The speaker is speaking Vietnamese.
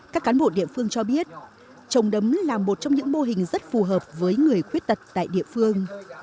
các cán bộ địa phương cho biết trồng đấm là một trong những mô hình rất phù hợp với người khuyết tật tại địa phương